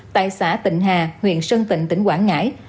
tại xã tịnh hà huyện sơn tịnh tỉnh quảng ngãi